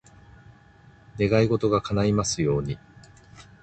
願い事が叶いますように。